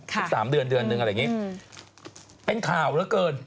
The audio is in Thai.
ค่ะคือ๓เดือนอะไรอย่างนี้เป็นข่าวเหลือเกิน